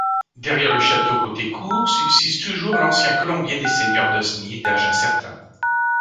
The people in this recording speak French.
Derrière le château côté cour, subsiste toujours l'ancien colombier des seigneurs d'Osny, d'âge incertain.